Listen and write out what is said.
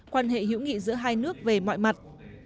quan hệ hữu nghị giữa hai nước về mọi mặt